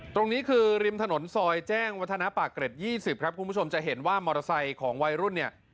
ตรงนี้คือริมถนนซอยแจ้งวัฒนาปากเกร็ด๒๐ครับคุณผู้ชมจะเห็นว่ามอเตอร์ไซค์ของวัยรุ่นเนี่ย